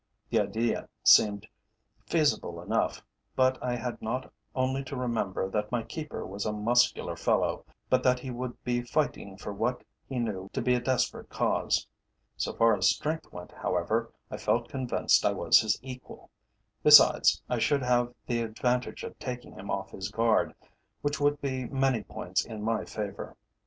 The idea seemed feasible enough, but I had not only to remember that my keeper was a muscular fellow, but that he would be fighting for what he knew to be a desperate cause. So far as strength went, however, I felt convinced I was his equal. Besides, I should have the advantage of taking him off his guard, which would be many points in my favour.